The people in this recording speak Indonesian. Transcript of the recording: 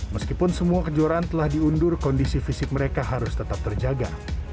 meskipun semua kejuaraan telah diundur kondisi fisik mereka harus tetap terjaga